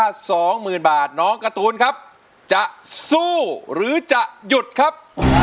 ถ้าสองหมื่นบาทน้องการ์ตูนครับจะสู้หรือจะหยุดครับ